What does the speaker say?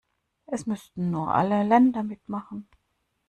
Es müssten nur alle Länder mitmachen.